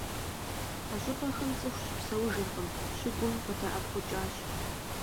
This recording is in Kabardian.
А щӏыпӏэхэм цӏыху щыпсэужыркъым, щыгум къыдэӏэпхъукӏащ.